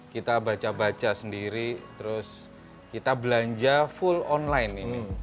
kita baca baca sendiri terus kita belanja full online ini